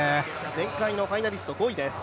前回のファイナリスト５位です。